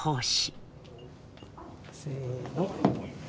せの！